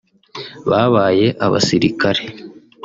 babaye abasirikare